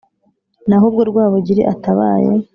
Naho ubwo Rwabugili atabaye,